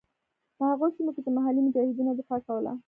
په هغو سیمو کې چې محلي مجاهدینو دفاع کوله.